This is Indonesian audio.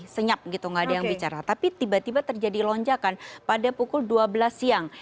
senyap gitu nggak ada yang bicara tapi tiba tiba terjadi lonjakan pada pukul dua belas siang